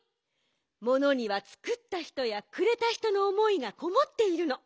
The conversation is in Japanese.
ものにはつくったひとやくれたひとのおもいがこもっているの。